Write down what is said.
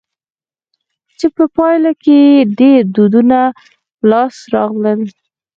چي په پايله کښي ئې ډېر دودونه په لاس راغلل.